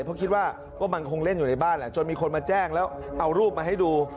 เพราะคิดว่าก็มันคงเล่นอยู่ในบ้านแหละจนมีคนมาแจ้งแล้วเอารูปมาให้ดู